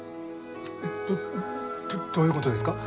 えどどういうことですか？